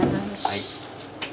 はい。